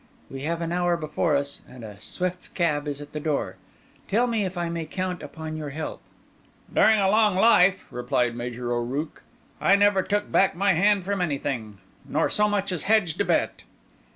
"We have an hour before us, and a swift cab is at the door. Tell me if I may count upon your help." "During a long life," replied Major O'Rooke, "I never took back my hand from anything, nor so much as hedged a bet."